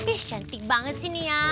ih cantik banget sih ini ya